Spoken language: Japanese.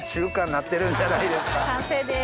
完成です。